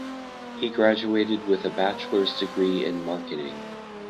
He graduated with a bachelor's degree in Marketing.